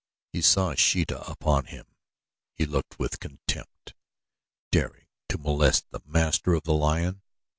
He saw Sheeta, upon whom he looked with contempt, daring to molest the master of the lion.